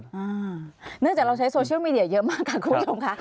เนื่องจากเราใช้โซเชียลมีเดียเยอะมากค่ะคุณผู้ชมค่ะ